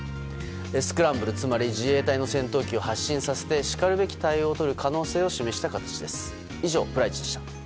スクランブル、つまり自衛隊の戦闘機を発進させてしかるべき対応をとる可能性を示した形です。